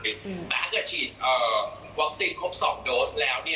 แต่ถ้าเกิดฉีดวัคซีนครบ๒โดสแล้ว